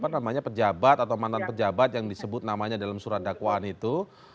namanya pejabat atau mantan pejabat yang disebut namanya dalam surat dakwaan itu